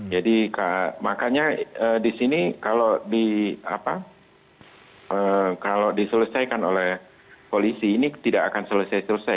jadi makanya di sini kalau diselesaikan oleh polisi ini tidak akan selesai selesai